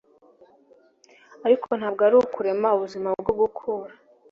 ariko ntabwo ari ukurema ubuzima bwo gukura